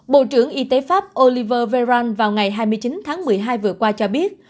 bộ trưởng y tế pháp oliver veran vào ngày hai mươi chín tháng một mươi hai vừa qua cho biết